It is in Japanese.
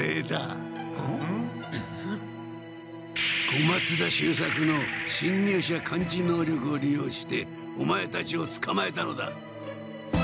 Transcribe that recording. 小松田秀作のしんにゅう者感知能力を利用してオマエたちをつかまえたのだ。